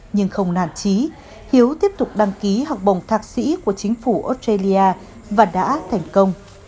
nhưng không nản trí hiếu tiếp tục đăng ký học bồng thạc sĩ của chính phủ australia và đã thành công